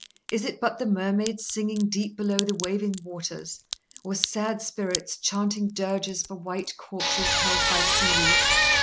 Is it but the mermaids singing deep below the waving waters; or sad spirits, chanting dirges for white corpses, held by seaweed?"